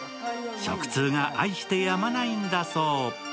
食通が愛してやまないんだそう。